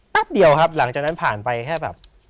เดียวครับหลังจากนั้นผ่านไปแค่แบบ